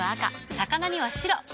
魚には白。